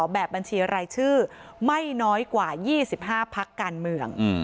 แบบบัญชีรายชื่อไม่น้อยกว่า๒๕พักการเมือง